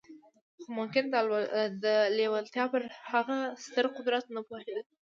خو ممکن د لېوالتیا پر هغه ستر قدرت نه پوهېده